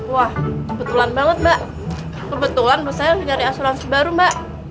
wah kebetulan banget mbak kebetulan bu saya nyari asuransi baru mbak